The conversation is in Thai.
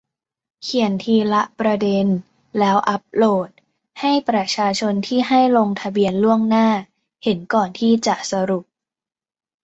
เขียนทีละประเด็น แล้วอัพโหลด ให้ประชาชนที่ให้ลงทะเบียนล่วงหน้า เห็นก่อนที่จะสรุป